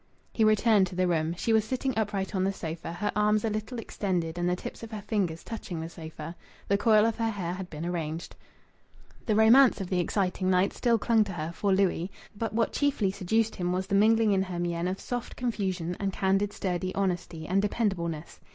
He returned to the room. She was sitting upright on the sofa, her arms a little extended and the tips of her fingers touching the sofa. The coil of her hair had been arranged. The romance of the exciting night still clung to her, for Louis; but what chiefly seduced him was the mingling in her mien of soft confusion and candid, sturdy honesty and dependableness.